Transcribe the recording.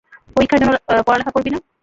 পরীক্ষার জন্য পড়ালেখা করবি না?